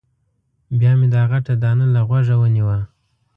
بیا مې دا غټه دانه له غوږه ونیوه.